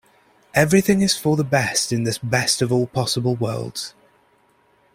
Everything is for the best in this best of all possible worlds.